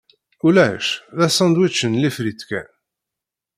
Ulac, d asandwič n lifrit kan.